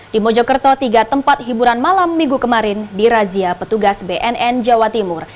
di mojokerto tiga tempat hiburan malam minggu kemarin dirazia petugas bnn jawa timur